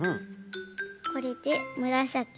これでむらさき。